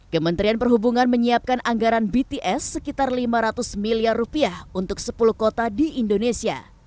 kementerian perhubungan menyiapkan anggaran bts sekitar lima ratus miliar rupiah untuk sepuluh kota di indonesia